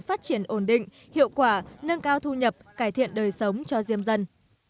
phát triển ổn định hiệu quả nâng cao thu nhập cải thiện đời sống cho diêm dân